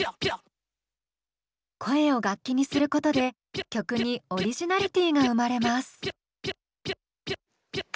声を楽器にすることで曲にオリジナリティーが生まれます。